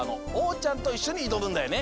ちゃんといっしょにいどむんだよね？